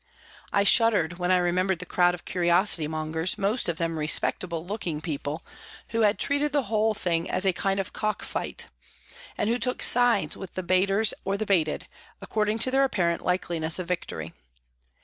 I shuddered when I remembered the crowd of curiosity mongers, most of them " respectable " looking people who had treated the whole thing as a kind of cock fight, and who took sides with the baiters or the baited, according to their apparent likeliness of victory.